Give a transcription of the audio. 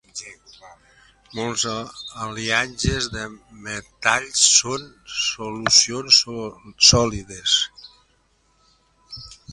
Molts aliatges de metalls són solucions sòlides.